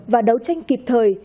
và đấu tranh kịp thời